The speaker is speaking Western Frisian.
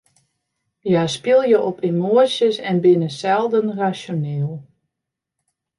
Hja spylje op emoasjes en binne selden rasjoneel.